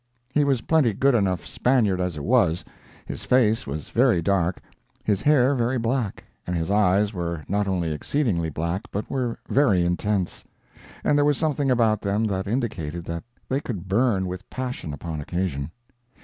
He was plenty good enough Spaniard as it was; his face was very dark, his hair very black, and his eyes were not only exceedingly black but were very intense, and there was something about them that indicated that they could burn with passion upon occasion.